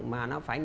mà nó phải